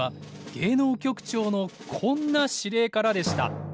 芸能局長のこんな指令からでした。